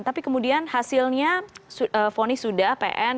tapi kemudian hasilnya fonis sudah pn